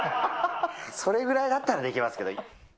それぐらいだったらできますけど。